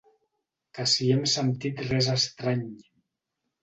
Que si hem sentit res estrany.